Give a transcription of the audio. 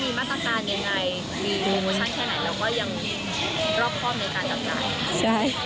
เราก็ยังรอบครอบในการจำจ่าย